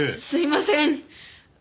すいません。